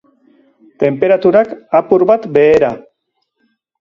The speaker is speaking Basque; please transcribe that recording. Tenperaturak, apur bat behera.